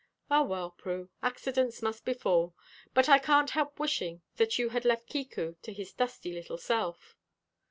Ah, well, Prue; accidents must befall; but I can't help wishing that you had left Kiku to his dusty little self."